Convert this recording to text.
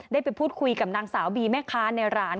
ได้ไปพูดคุยกับนางสาวบีแม่ค้าในร้าน